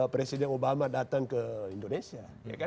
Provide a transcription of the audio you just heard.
presiden obama datang ke indonesia